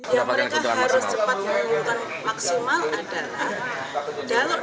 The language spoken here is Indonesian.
yang mereka harus cepat menurunkan maksimal adalah